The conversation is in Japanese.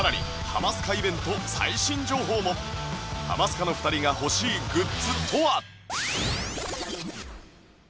ハマスカの２人が欲しいグッズとは？